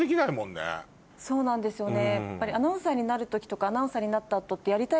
そうなんですよね。